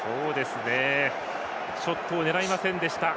ショットを狙えませんでした。